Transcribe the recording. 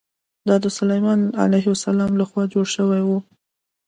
دا د سلیمان علیه السلام له خوا جوړ شوی و.